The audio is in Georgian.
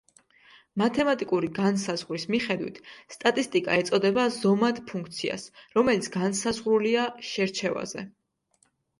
მათემატიკური განსაზღვრის მიხედვით, სტატისტიკა ეწოდება ზომად ფუნქციას, რომელიც განსაზღვრულია შერჩევაზე.